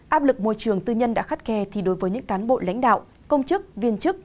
áp lực môi trường tư nhân đã khắt khe thì đối với những cán bộ lãnh đạo công chức viên chức